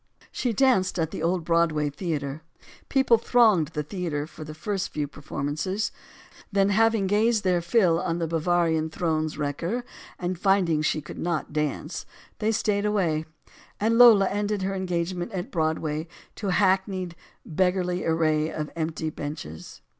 She danced at the old Broadway Theater. People thronged the theater for the first few performances. Then, having gazed their fill on the Bavarian throne's wrecker and finding she could not dance, they stayed away; and Lola ended her engagement at the Broad way to the hackneyed "beggarly array of empty benches."